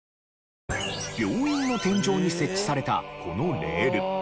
病院の天井に設置されたこのレール。